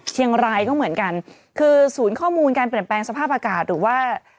เชียงรายก็เหมือนกันคือศูนย์ข้อมูลการเปลี่ยนแปลงสภาพอากาศหรือว่า